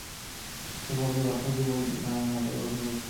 এটি সম্ভব যে, ভাস্কর্যটি মূলত একটি আয়নার হাতল গঠন করেছিল।